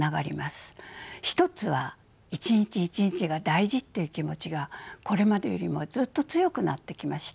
一つは１日１日が大事という気持ちがこれまでよりもずっと強くなってきました。